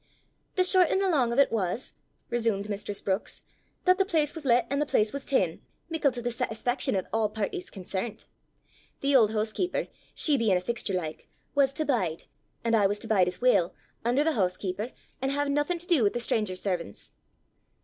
"The short an' the lang o' 't was," resumed mistress Brookes, "that the place was let an' the place was ta'en, mickle to the satisfaction o' a' pairties concernt. The auld hoosekeeper, she bein' a fixtur like, was to bide, an' I was to bide as weel, under the hoosekeeper, an' haein' nothing to do wi' the stranger servan's.